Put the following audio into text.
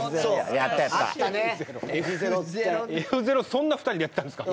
そんな２人でやってたんですか？